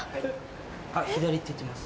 あっ左って言ってます。